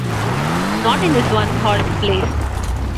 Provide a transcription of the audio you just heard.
Not in this one-horse place.